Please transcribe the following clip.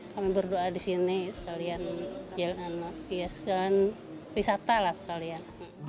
kami berdoa di sini sekalian jalan lapisan wisata lah sekalian